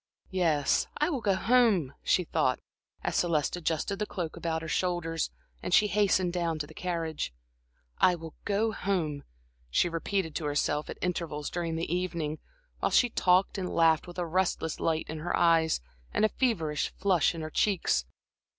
"Yes, I will go home," she thought, as Celeste adjusted the cloak about her shoulders and she hastened down to the carriage. "I will go home," she repeated to herself at intervals during the evening, while she talked and laughed with a restless light in her eyes and a feverish flush on her cheeks.